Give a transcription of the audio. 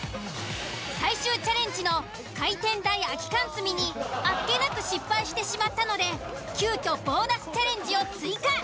最終チャレンジの回転台空き缶積みにあっけなく失敗してしまったので急遽ボーナスチャレンジを追加。